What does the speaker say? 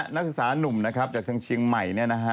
นักศึกษานุ่มนะครับจากเชียงใหม่เนี่ยนะฮะ